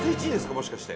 もしかして。